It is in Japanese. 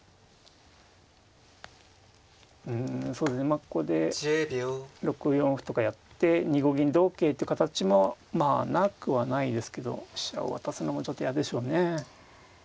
うんここで６四歩とかやって２五銀同桂って形もまあなくはないですけど飛車を渡すのもちょっと嫌でしょうね。